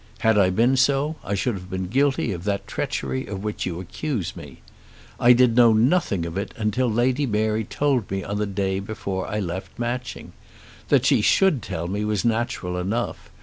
Had I been so, I should have been guilty of that treachery of which you accuse me. I did know nothing of it till Lady Mary told me on the day before I left Matching. That she should tell me was natural enough.